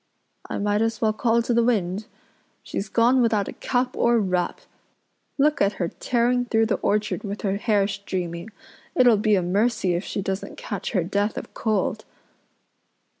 I might as well call to the wind. She's gone without a cap or wrap. Look at her tearing through the orchard with her hair streaming. It'll be a mercy if she doesn't catch her death of cold."